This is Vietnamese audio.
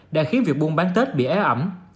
đã khiến việc buôn bán tết bị ế ẩm